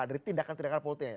dari tindakan tindakan politiknya